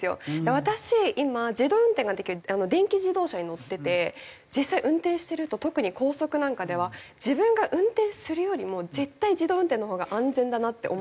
私今自動運転ができる電気自動車に乗ってて実際運転してると特に高速なんかでは自分が運転するよりも絶対自動運転のほうが安全だなって思うんです。